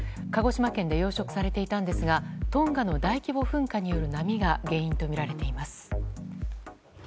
鹿児島県で養殖されていたんですがトンガの大規模噴火による波が原因とみられています。